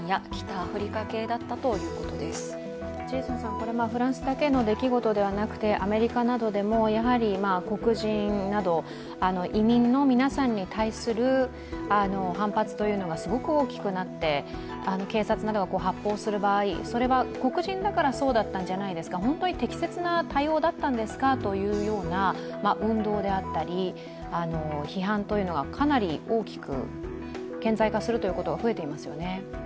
これはフランスだけの出来事ではなくてアメリカなどでも黒人など移民の皆さんに対する反発というのがすごく大きくなって、警察などが発砲する場合それは黒人だからそうだったんじゃないですか、本当に適切な対応だったんですかというような運動であったり、批判というのがかなり大きく顕在化するのが増えていますよね。